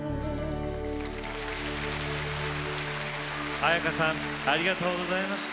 絢香さんありがとうございました。